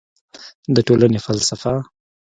د ټولنې فلسفه